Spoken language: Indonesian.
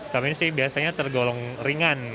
tapi ini sih biasanya tergolong ringan